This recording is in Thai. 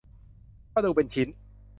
ก็ดูเป็นชิ้น